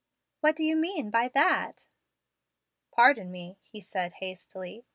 "What do you mean by that?" "Pardon me," he said hastily.